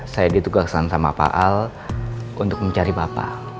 saya ditugaskan sama pak al untuk mencari bapak